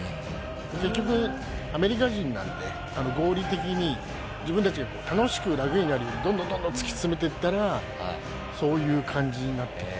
結局アメリカ人なんで合理的に自分たちが楽しくラクになるようにどんどんどんどん突き詰めていったらそういう感じになってる。